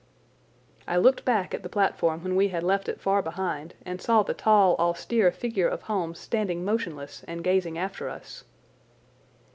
I looked back at the platform when we had left it far behind and saw the tall, austere figure of Holmes standing motionless and gazing after us.